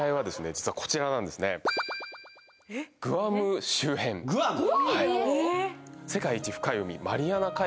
実はこちらなんですねグアム周辺グアム！？